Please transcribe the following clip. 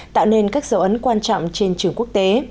tạo nên các dấu ấn quan trọng trên trường quốc tế